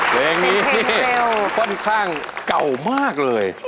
เพลงนี้ค่อนข้างเก่ามากเลย